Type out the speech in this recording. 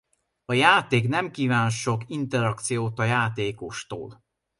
A játék nem kíván sok interakciót a játékostól.